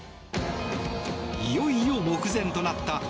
いよいよ目前となったＦＩＦＡ